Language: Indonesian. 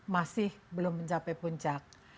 masih belum mencapai puncak